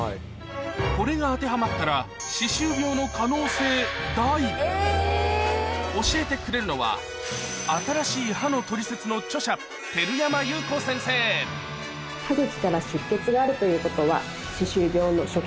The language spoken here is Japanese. これが当てはまったら教えてくれるのは『新しい「歯」のトリセツ』の著者ということは。